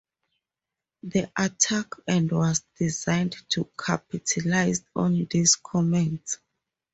The attack ad was designed to capitalize on these comments.